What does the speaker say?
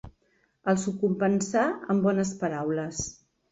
Els ho compensà amb bones paraules.